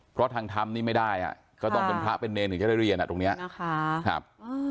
เพราะทางธรรมนี่ไม่ได้อ่ะก็ต้องเป็นพระเป็นเนรถึงจะได้เรียนตรงนี้นะคะ